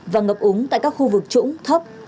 và ngập úng tại các khu vực trũng thấp